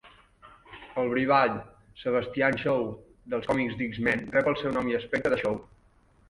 El brivall Sebastian Shaw, dels còmics de X-Men, rep el seu nom i aspecte de Shaw.